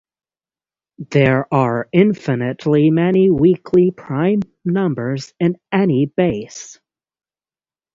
There are infinitely many weakly prime numbers in any base.